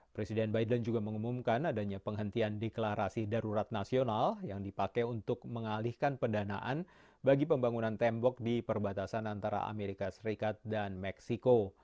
presiden biden juga mengumumkan adanya penghentian deklarasi darurat nasional yang dipakai untuk mengalihkan pendanaan bagi pembangunan tembok di perbatasan antara amerika serikat dan meksiko